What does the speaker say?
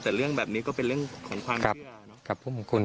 แต่เรื่องแบบนี้ก็เป็นเรื่องของความแบบ